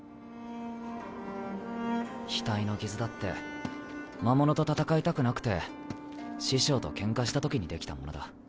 額の傷だって魔物と戦いたくなくて師匠とケンカした時にできたものだ。